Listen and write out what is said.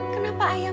kenapa ayah mau